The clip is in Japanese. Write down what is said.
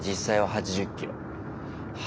８０キロ